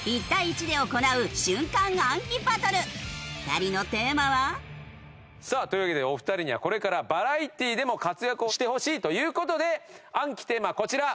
２人のテーマは。というわけでお二人にはこれからバラエティーでも活躍をしてほしいという事で暗記テーマはこちら。